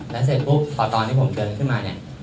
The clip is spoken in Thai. แล้วเสร็จปุ๊บพอตอนที่ผมเดินขึ้นมาเนี่ย